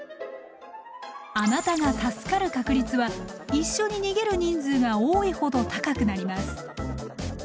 あなたが助かる確率は一緒に逃げる人数が多いほど高くなります。